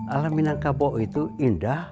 alam minang kabo itu indah